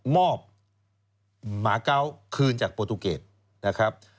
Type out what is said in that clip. มอบมาเกาะคืนจากปลูตูเกตนะครับ